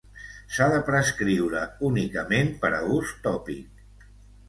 S'ha de prescriure únicament per a ús tòpic.